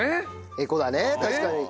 エコだね確かに。